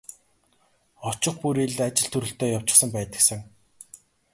Очих бүрий л ажил төрөлтэй явчихсан байдаг сан.